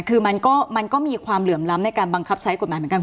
คือมันก็มีความเหลื่อมล้ำในการบังคับใช้กฎหมายเหมือนกัน